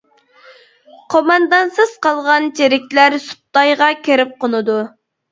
قوماندانسىز قالغان چېرىكلەر سۇپتايغا كىرىپ قونىدۇ.